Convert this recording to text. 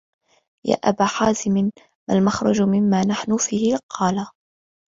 يَا أَبَا حَازِمٍ مَا الْمَخْرَجُ مِمَّا نَحْنُ فِيهِ ؟ قَالَ